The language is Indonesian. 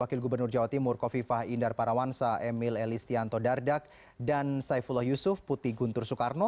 wakil gubernur jawa timur kofifah indar parawansa emil elistianto dardak dan saifullah yusuf putih guntur soekarno